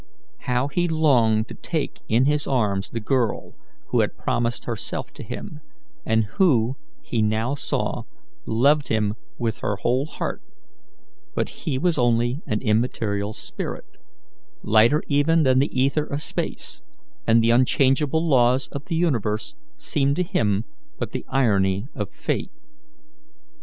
How he longed to take in his arms the girl who had promised herself to him, and who, he now saw, loved him with her whole heart; but he was only an immaterial spirit, lighter even than the ether of space, and the unchangeable laws of the universe seemed to him but the irony of fate.